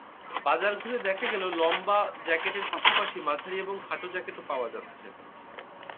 বাজার ঘুরে দেখা গেল, লম্বা জ্যাকেটের পাশাপাশি মাঝারি এবং খাটো জ্যাকেটও পাওয়া যাচ্ছে।